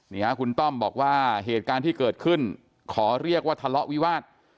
นี่ฮะคุณต้อมบอกว่าเหตุการณ์ที่เกิดขึ้นขอเรียกว่าทะเลาะวิวาส